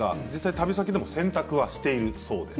旅先で洗濯をしているそうです。